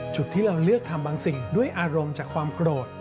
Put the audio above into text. จุดที่เราเลือกทำบางสิ่งด้วยอารมณ์จากความโกรธ